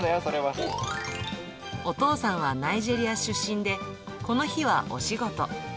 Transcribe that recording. お父さんはナイジェリア出身で、この日はお仕事。